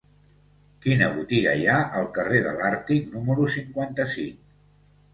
Quina botiga hi ha al carrer de l'Àrtic número cinquanta-cinc?